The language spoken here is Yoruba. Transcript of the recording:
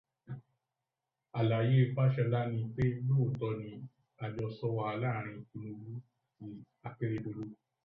Àlàyé Fáṣọlá ni pé lóòtọ́ ni àjọsọ wà láàrin Tinúbú àti Akérédolú